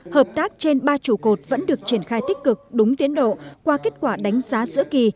hợp tác trên ba trụ cột vẫn được triển khai tích cực đúng tiến độ qua kết quả đánh giá giữa kỳ